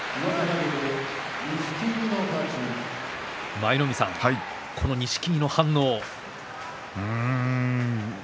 舞の海さん、錦木の反応。